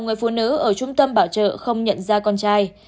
người phụ nữ ở trung tâm bảo trợ không nhận ra con trai